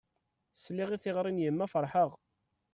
Sliɣ i teɣri n yemma ferḥeɣ.